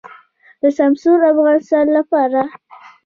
د سمسور افغانستان لپاره.